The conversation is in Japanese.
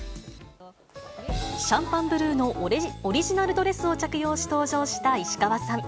シャンパンブルーのオリジナルドレスを着用し、登場した石川さん。